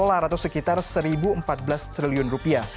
dolar atau sekitar satu empat belas triliun rupiah